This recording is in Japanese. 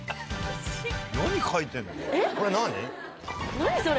何それ！